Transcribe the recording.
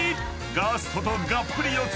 ガストとがっぷり四つ。